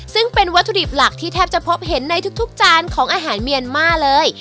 ซึ่งเป็นวัตถุดิบหลักที่แทบจะพบเห็นในทุกจานของอาหารเมียนมาร์เลย